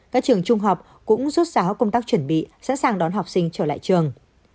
các trường trung học cũng rút sáo công tác chuẩn bị sẵn sàng đón học sinh trở lại trường